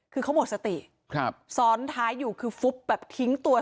คือเขาหมดสติครับซ้อนท้ายอยู่คือฟุบแบบทิ้งตัว